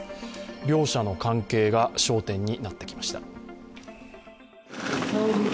両者の関係が焦点になってきました。